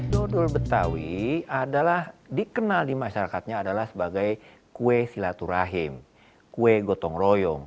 dodol betawi adalah dikenal di masyarakatnya adalah sebagai kue silaturahim kue gotong royong